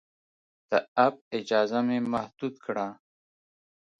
د اپ اجازه مې محدود کړه.